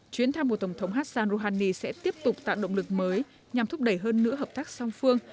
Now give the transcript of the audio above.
chuyến thăm của tổng thống hassan rouhani sẽ tiếp tục tạo động lực mới nhằm thúc đẩy hơn nữa hợp tác song phương